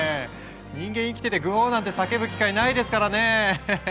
人間生きててグォーなんて叫ぶ機会ないですからね。